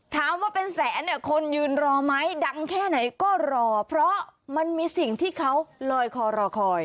ถามว่าเป็นแสนเนี่ยคนยืนรอไหมดังแค่ไหนก็รอเพราะมันมีสิ่งที่เขาลอยคอรอคอย